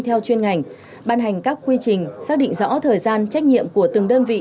theo chuyên ngành ban hành các quy trình xác định rõ thời gian trách nhiệm của từng đơn vị